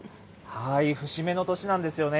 節目の年なんですよね。